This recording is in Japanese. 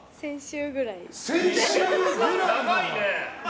長いね。